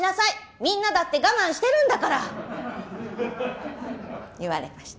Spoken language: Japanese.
みんなだって我慢してるんだから言われました。